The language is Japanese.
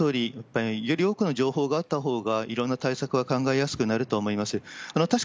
おっしゃるとおり、より多くの情報があったほうが、いろんな対策は考えやすくなるとは思います。